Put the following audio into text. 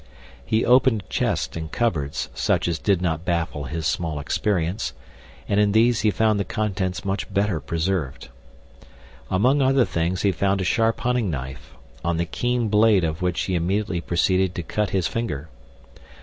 He opened chests and cupboards, such as did not baffle his small experience, and in these he found the contents much better preserved. Among other things he found a sharp hunting knife, on the keen blade of which he immediately proceeded to cut his finger.